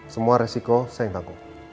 semua resiko saya yang tangguh